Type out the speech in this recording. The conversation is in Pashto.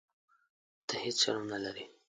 ته هیح شرم نه لرې.